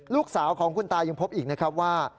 ลูกสาวของคุณตายังพบอีกนะครับว่า